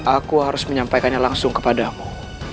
aku harus menyampaikannya langsung kepadamu